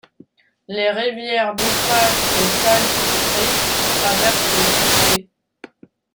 Les rivières DuPage et Salt Creek traversent le comté.